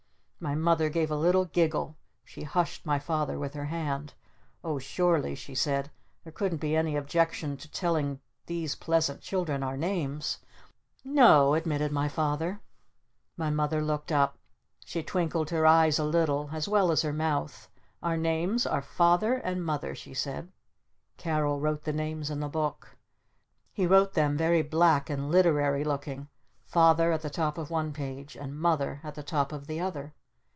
'" My Mother gave a little giggle. She hushed my Father with her hand. "Oh surely," she said, "there couldn't be any objection to telling these pleasant children our names?" "No o," admitted my Father. My Mother looked up. She twinkled her eyes a little as well as her mouth. "Our names are 'Father' and 'Mother'," she said. Carol wrote the names in the Book. He wrote them very black and literary looking. "Father" at the top of one page. And "Mother" at the top of the other.